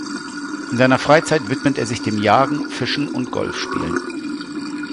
In seiner Freizeit widmet er sich dem Jagen, Fischen und Golfspielen.